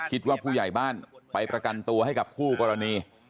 ผู้ใหญ่บ้านไปประกันตัวให้กับคู่กรณี